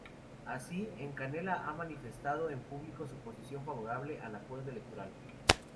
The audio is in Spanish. Así, en Canela ha manifestado en público su posición favorable al acuerdo electoral.